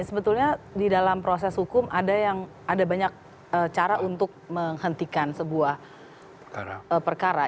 sebetulnya di dalam proses hukum ada yang ada banyak cara untuk menghentikan sebuah perkara